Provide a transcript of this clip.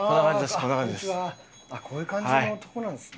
こういう感じのとこなんですね。